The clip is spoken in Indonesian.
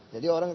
jadi orang akan